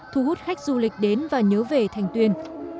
thu hút khách du lịch đến và nhớ về thành tuyên